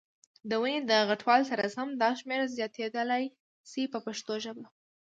د ونې د غټوالي سره سم دا شمېر زیاتېدلای شي په پښتو ژبه.